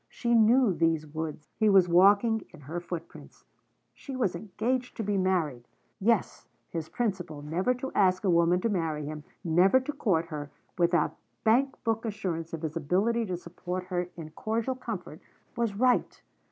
She knew these woods; he was walking in her footprints; she was engaged to be married. Yes, his principle, never to ask a woman to marry him, never to court her, without bank book assurance of his ability to support her in cordial comfort, was right.